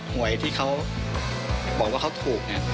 หวยที่เขาบอกว่าเขาถูกเนี่ย